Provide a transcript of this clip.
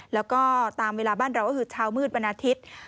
แล้วก็ตามเวลาบ้านเราก็คือเช้ามืดวันอาทิตย์